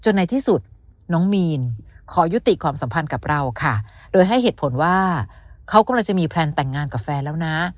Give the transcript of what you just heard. ในที่สุดน้องมีนขอยุติความสัมพันธ์กับเราค่ะโดยให้เหตุผลว่าเขากำลังจะมีแพลนแต่งงานกับแฟนแล้วนะ